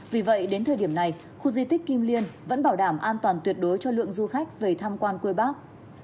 vì vậy đến thời điểm này khu di tích kim liên vẫn bảo đảm an toàn tuyệt đối cho lượng du khách về tham quan quê bác